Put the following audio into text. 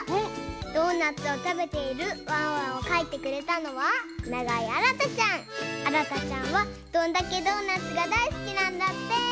ドーナツをたべているワンワンをかいてくれたのはあらたちゃんは「どんだけドーナツ！？」がだいすきなんだって！